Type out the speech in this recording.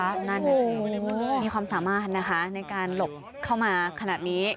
นั่นน่ะสิมีความสามารถนะคะในการหลบเข้ามาขนาดนี้